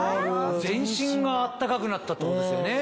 全身が暖かくなったってことですよね？